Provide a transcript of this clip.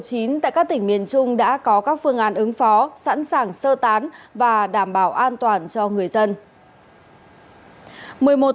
đối với bão số chín tại các tỉnh miền trung đã có các phương án ứng phó sẵn sàng sơ tán và đảm bảo an toàn cho người dân